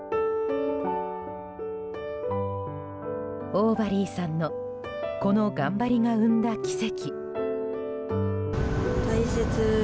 オーバリーさんのこの頑張りが生んだ奇跡。